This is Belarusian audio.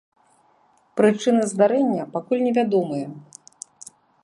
Прычыны здарэння пакуль невядомыя.